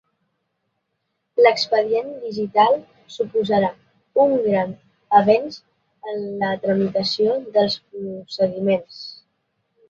L'expedient digital suposarà un gran avenç en la tramitació dels procediments.